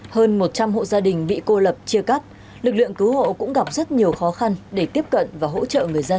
hơn một trăm linh hộ gia đình bị cô lập chia cắt lực lượng cứu hộ cũng gặp rất nhiều khó khăn để tiếp cận và hỗ trợ người dân